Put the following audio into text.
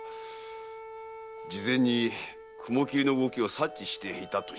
事前に雲切の動きを察知していたとしか。